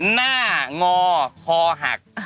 หน้างอคอหัก